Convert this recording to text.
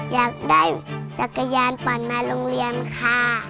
อยากได้จักรยานปั่นมาโรงเรียนค่ะ